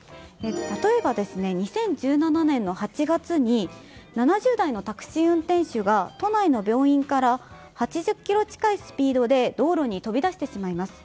例えば２０１７年の８月に７０代のタクシー運転手が都内の病院から８０キロ近いスピードで道路に飛び出してしまいます。